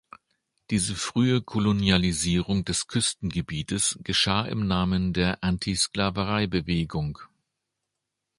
Diese frühe Kolonialisierung des Küstengebietes geschah im Namen der Antisklavereibewegung.